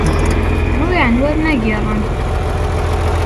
ڕوویان وەرنەگێڕن